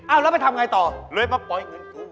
เอาแล้วไปทำไงต่อเลยมาปล่อยเงินกู